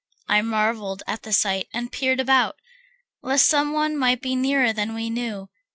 I marvelled at the sight, and peered about, Lest some one might be nearer than we knew.